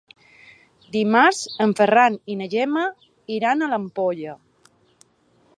Dimarts en Ferran i na Gemma iran a l'Ampolla.